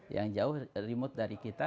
yang jauh remote dari kita